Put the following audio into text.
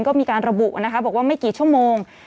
ก็มีการระบุนะคะบอกว่าไม่กี่ชั่วโมง